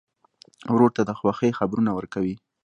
ورور ته د خوښۍ خبرونه ورکوې.